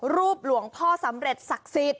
รูปหลวงพ่อสำเร็จศักดิ์สิทธิ